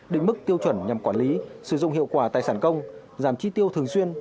định mức tiêu chuẩn nhằm quản lý sử dụng hiệu quả tài sản công giảm chi tiêu thường xuyên